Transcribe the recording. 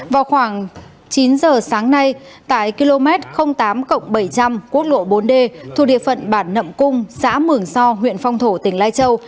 vào khoảng chín giờ sáng nay tại km tám bảy trăm linh quốc lộ bốn d thuộc địa phận bản nậm cung xã mường so huyện phong thổ tỉnh lai châu